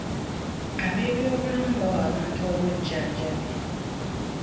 Ab'ebyobulamu bawa abantu obujjanjabi.